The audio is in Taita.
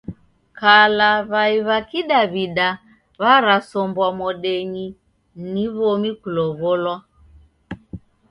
Kala w'ai w'a kidaw'ida w'arasombwa mwadenyi ni w'omi kulow'olwa.